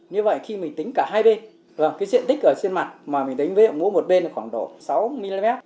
như vậy khi mình tính cả hai bên diện tích ở trên mặt mà mình đánh với ngũ một bên khoảng độ sáu mm